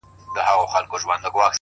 o ملنگ خو دي وڅنگ ته پرېږده ـ